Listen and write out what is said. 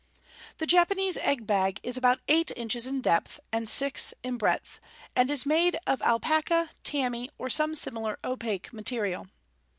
The Japanese egg bag is about eight inches in depth and six in breadth, and made of alpaca, tammy, or some similar opaque material.